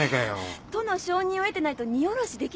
都の承認を得てないと荷降ろしできないんです。